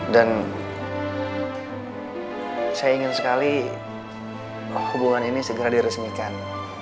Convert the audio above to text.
saya ingin sekali hubungan ini segera diresmikan